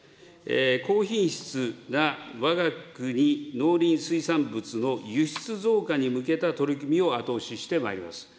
高品質なわが国農林水産物の輸出増加に向けた取り組みを後押ししてまいります。